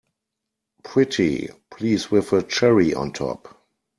Pretty please with a cherry on top!